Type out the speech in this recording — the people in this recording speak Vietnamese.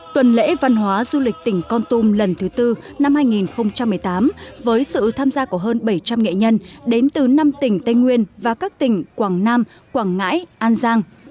tuần lễ văn hóa du lịch tỉnh con tum lần thứ tư năm hai nghìn một mươi tám với sự tham gia của hơn bảy trăm linh nghệ nhân đến từ năm tỉnh tây nguyên và các tỉnh quảng nam quảng ngãi an giang